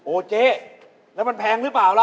เจ๊แล้วมันแพงหรือเปล่าล่ะ